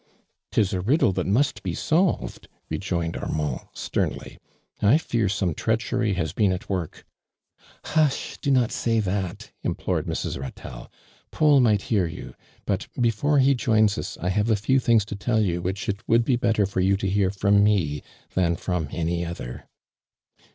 "'Tis a riddle that must be solved," re joined Armand, sternly. "I fear some treachery has been at work." " Hush ! Do not say that !" implored Mrs. Ratelle. " Paul might hear you, but, before he joins us, I have a few things to tell you which it would be better for you to hear from me than fi om any other."